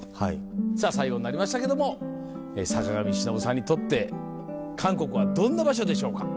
さぁ最後になりましたけども坂上忍さんにとって韓国はどんな場所でしょうか？